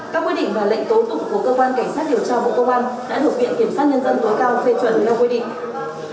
các quyết định và lệnh tố tụng của cơ quan cảnh sát điều tra bộ công an đã được viện kiểm soát nhân dân tối cao phê chuẩn theo quy định